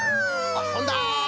あっとんだ！